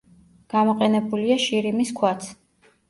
გამოყენებულია შირიმის ქვაც.